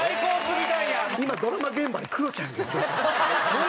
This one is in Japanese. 今ドラマ現場でクロちゃんがやってると思う。